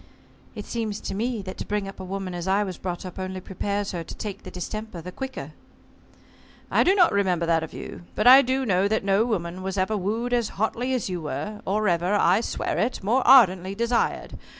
"It seems to me that to bring up a woman as I was brought up only prepares her to take the distemper the quicker." "I do not remember that of you. But I do know that no woman was ever wooed as hotly as you were or ever I swear it more ardently desired.